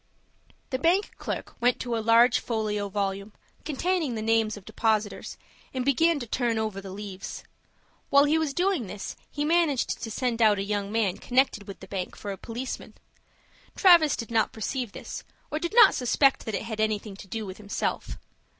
The bank clerk went to a large folio volume, containing the names of depositors, and began to turn over the leaves. While he was doing this, he managed to send out a young man connected with the bank for a policeman. Travis did not perceive this, or did not suspect that it had anything to do with himself.